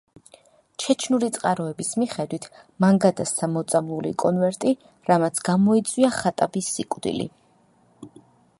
ჩეჩნური წყაროების მიხედვით მან გადასცა მოწამლული კონვერტი რამაც გამოიწვია ხატაბის სიკვდილი.